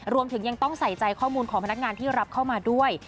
รวมถึงยังต้องใส่ใจข้อมูลของพนักงานที่รับเข้ามาด้วย